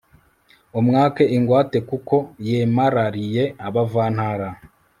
umwake ingwate kuko yemarariye abavantara